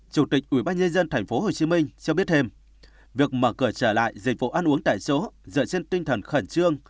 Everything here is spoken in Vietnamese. chủ tịch ubnd tp hcm cho biết thêm việc mở cửa trở lại dịch vụ ăn uống tại chỗ dựa trên tinh thần khẩn trương